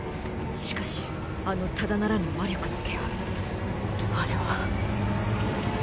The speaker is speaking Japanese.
しかしあのただならぬ魔力の気配あれは。